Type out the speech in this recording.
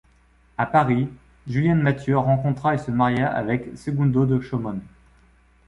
À Paris, Julienne Mathieu rencontra et se maria avec Segundo de Chomón.